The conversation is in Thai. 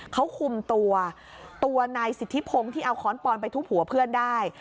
เขาคุมตัวตัวนายสิทธิพงศ์ที่เอาค้อนปอนไปทุบหัวเพื่อนได้